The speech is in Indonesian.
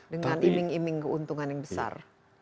dengan iming iming keuntungan yang besar